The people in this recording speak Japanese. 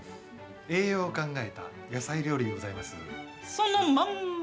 栄養を考えた野菜料理でございます。